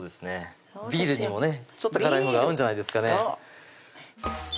ビールにもねちょっと辛いほうが合うんじゃないですかね